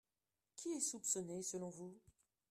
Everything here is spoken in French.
Qui est soupçonné selon vous ?